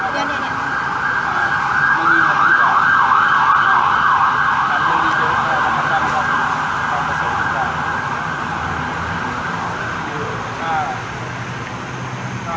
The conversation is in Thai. ไม่ใช่ว่าคันละ๕๐๐๐บาทนะ